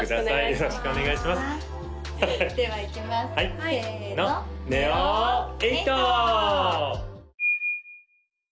よろしくお願いしますではいきますせのＮＥＯ８！